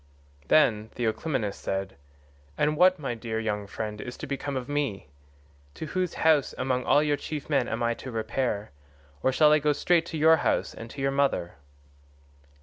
137 Then Theoclymenus said, "And what, my dear young friend, is to become of me? To whose house, among all your chief men, am I to repair? or shall I go straight to your own house and to your mother?"